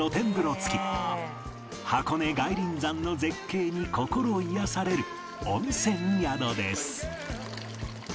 箱根外輪山の絶景に心を癒やされる温泉宿です